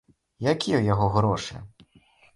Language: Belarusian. Якія ў яго грошы?